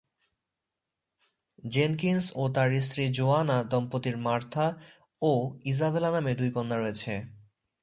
Jenkins ও তার স্ত্রী জোয়ানা দম্পতির মার্থা ও ইসাবেলা নামে দুই কন্যা রয়েছে।